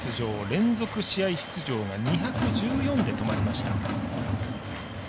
連続試合出場が２１４で止まりました。